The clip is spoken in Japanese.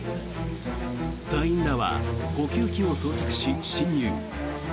隊員らは呼吸器を装着し進入。